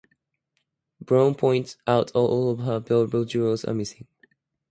Browne points out all of her valuable jewels are missing.